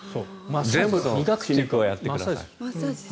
全部をやってください。